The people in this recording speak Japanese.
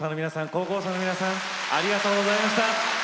高校生の皆さんありがとうございました。